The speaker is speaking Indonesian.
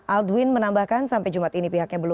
aldwin menambahkan sampai jumat ini pihaknya belum